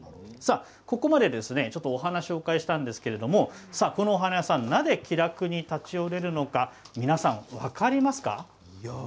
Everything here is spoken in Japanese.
ここまでお花を紹介したんですけれどもこのお花屋さん、なぜ気楽に立ち寄れるのか皆さん分かりますか？